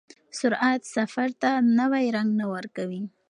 سرعت سفر ته نوی رنګ نه ورکوي.